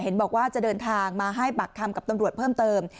บอกว่าจะเดินทางมาให้ปากคำกับตำรวจเพิ่มเติม